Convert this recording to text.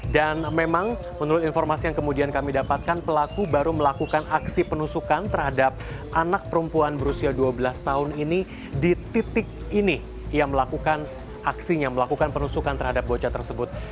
dan memang menurut informasi yang kemudian kami dapatkan pelaku baru melakukan aksi penusukan terhadap anak perempuan berusia dua belas tahun ini di titik ini yang melakukan aksinya melakukan penusukan terhadap bocah tersebut